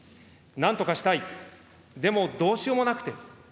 なんとかしたい、でもどうしようもなくて。